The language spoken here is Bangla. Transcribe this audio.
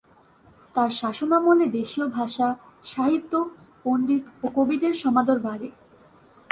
তার শাসনামলে দেশীয় ভাষা, সাহিত্য, পণ্ডিত ও কবিদের সমাদর বাড়ে।